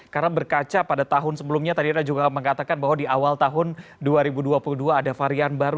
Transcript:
karena berkaca pada tahun sebelumnya tadi anda juga mengatakan bahwa di awal tahun dua ribu dua puluh dua ada varian baru